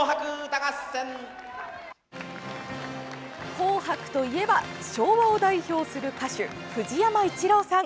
紅白といえば昭和を代表する歌手藤山一郎さん。